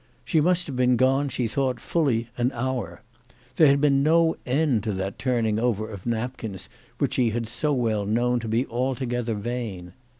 She must have been gone, she thought, fully an hour. There had been no end to that turning over of napkins which she had so well known to be altogether vain.